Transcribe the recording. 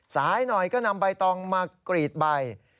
สายหน่อยก็นำใบตองมากรีดใบ